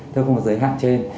tức là không có giới hạn trên